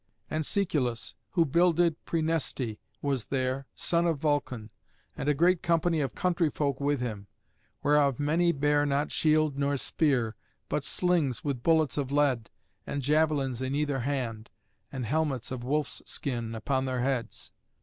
And Cæculus, who builded Præneste, was there, son of Vulcan, and a great company of country folk with him, whereof many bare not shield nor spear, but slings with bullets of lead, and javelins in either hand, and helmets of wolf's skin upon their heads.